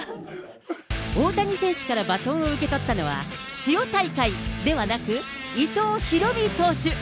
大谷選手からバトンを受け取ったのは、千代大海ではなく、伊藤大海投手。